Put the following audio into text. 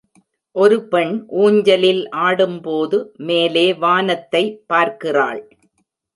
ஒரு பெண் ஊஞ்சலில் ஆடும்போது மேலே வானத்தை பார்க்கிறாள்.